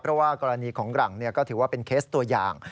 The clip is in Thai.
เพราะว่ากรณีของหลังก็ถือว่าเป็นเคสตัวอย่าง